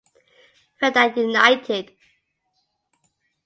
Felda United